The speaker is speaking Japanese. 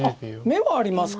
眼はあります。